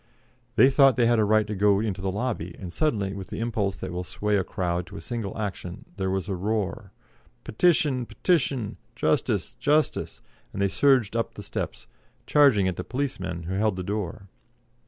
They thought they had a right to go into the lobby, and suddenly, with the impulse that will sway a crowd to a single action there was a roar, "Petition, petition, justice, justice," and they surged up the steps, charging at the policemen who held the door.